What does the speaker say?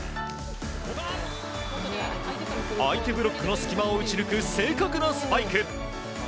相手ブロックの隙間を打ち抜く正確なスパイク。